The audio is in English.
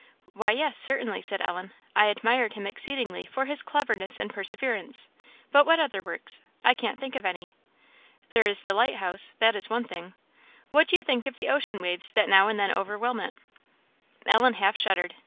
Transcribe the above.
"Why, yes, certainly," said Ellen; "I admired him exceedingly for his cleverness and perseverance; but what other works? I can't think of any." "There is the lighthouse, that is one thing. What do you think of the ocean waves that now and then overwhelm it?" Ellen half shuddered.